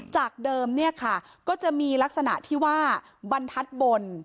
จากเดิมเนี่ยค่ะก็จะมีลักษณะที่ว่าบรรทัศน์บน